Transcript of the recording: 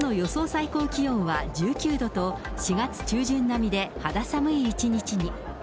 最高気温は１９度と、４月中旬並みで肌寒い一日に。